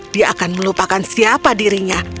dia akan melupakan siapa dirinya